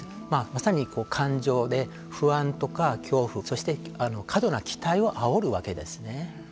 まさに感情で不安とか恐怖そして過度な期待をあおるわけですね。